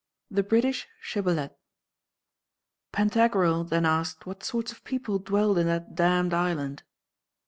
THE BRITISH SHIBBOLETH. "Pantagruel then asked what sorts of people dwelled in that damn'd island."